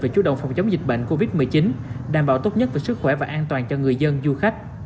về chú động phòng chống dịch bệnh covid một mươi chín đảm bảo tốt nhất về sức khỏe và an toàn cho người dân du khách